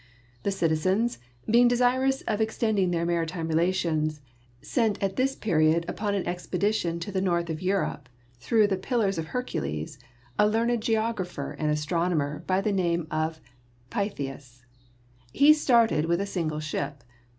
The citizens, being desirous of extending their maritime relations, sent at this period upon an expedition to the north of Europe, through the Pillars of Hercules, a learned geographer and astronomer by the name of Pytheas. He started with a single ship.